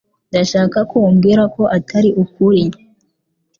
Ndashaka ko umbwira ko atari ukuri